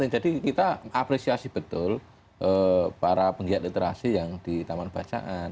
jadi kita apresiasi betul para penggiat literasi yang di taman bacaan